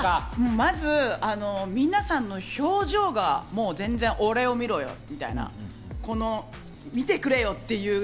まず皆さんの表情が、俺を見ろよみたいな、見てくれよっていう。